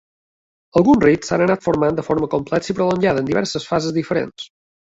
Alguns rifts s'han anat formant de forma complexa i prolongada, amb diverses fases diferents.